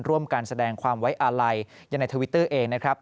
ร่วมกันแสดงความไว้อาลัยในทวิตเตอร์เองนะครับ